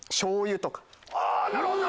なるほど！